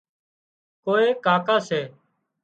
ڪوئي ڪاڪا سي